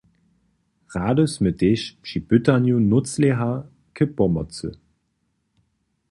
Rady smy tež při pytanju nóclěha k pomocy.